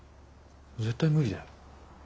絶対無理だよ。